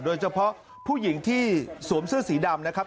โดยเฉพาะผู้หญิงที่สวมเสื้อสีดำนะครับ